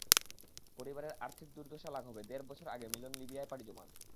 পরিবারের আর্থিক দুর্দশা লাঘবে দেড় বছর আগে মিলন লিবিয়ায় পাড়ি জমান।